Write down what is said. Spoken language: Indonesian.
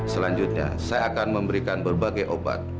selanjutnya saya akan memberikan berbagai obat